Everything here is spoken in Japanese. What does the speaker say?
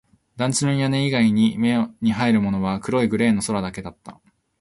団地の屋根以外に目に入るものは濃いグレーの空だけだった